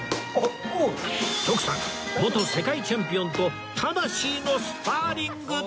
徳さん元世界チャンピオンと魂のスパーリング！